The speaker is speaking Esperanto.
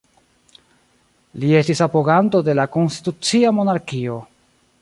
Li estis apoganto de la konstitucia monarkio.